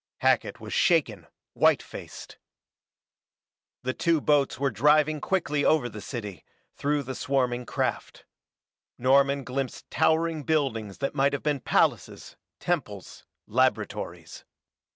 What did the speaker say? Hackett was shaken, white faced. The two boats were driving quickly over the city, through the swarming craft. Norman glimpsed towering buildings that might have been palaces, temples, laboratories.